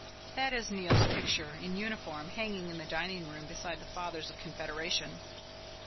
That is Neil's picture, in uniform, hanging in the dining room beside the Fathers of Confederation.